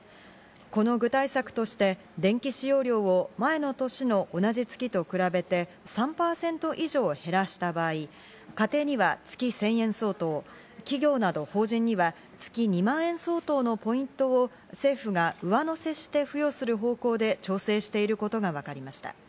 この具体策として電気使用量を前の年の同じ月と比べて３％以上減らした場合、家庭には月１０００円相当、企業など法人には月２万円相当のポイントを政府が上乗せして付与する方向で調整していることがわかりました。